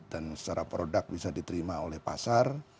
dan secara produk bisa diterima oleh pasar